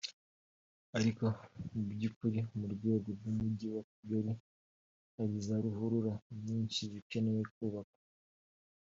ariko mu by’ukuri mu rwego rw’Umujyi wa Kigali hari za ruhurura nyinshi zikeneye kubakwa